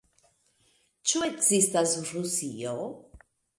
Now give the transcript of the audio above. Ĉu ekzistas Rusio?